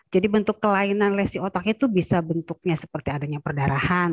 bentuk kelainan lesi otak itu bisa bentuknya seperti adanya perdarahan